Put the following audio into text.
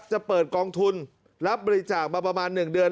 จะเปิดกองทุนรับบริจาคมาประมาณ๑เดือน